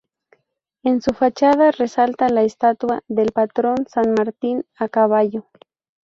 En su fachada resalta la estatua del patrón San Martín a caballo.